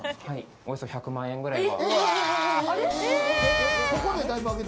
およそ１００万円くらいは。